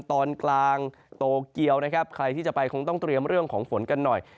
ตอนกลางโตเกียวนะครับใครที่จะไปคงต้องเตรียมเรื่องของฝนกันหน่อย